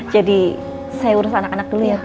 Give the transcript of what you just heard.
jadi saya urus anak anak dulu ya